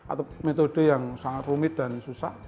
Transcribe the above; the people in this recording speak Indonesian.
atau metode yang sangat rumit dan susah